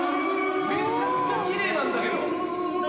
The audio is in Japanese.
めちゃくちゃキレイなんだけど。